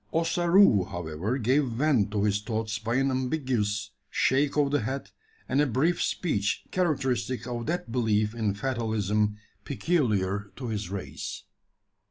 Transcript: Ossaroo, however, gave vent to his thoughts by an ambiguous shake of the head, and a brief speech characteristic of that belief in fatalism peculiar to his race.